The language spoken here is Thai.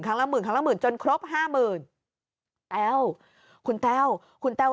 ครั้งละหมื่นครั้งละหมื่นจนครบห้าหมื่นแต้วคุณแต้ว